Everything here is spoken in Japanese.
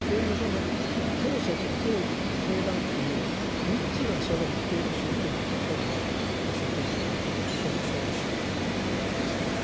そういうその教祖と教義と教団という３つがそろっている宗教のことを宗教学では「創唱宗教」というわけですね。